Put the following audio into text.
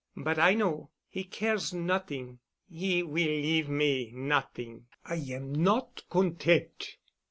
But I know. He cares not'ing. He will leave me not'ing. I am not content.